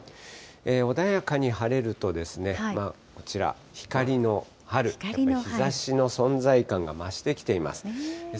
穏やかに晴れると、こちら、光の春、日ざしの存在感が増してきています。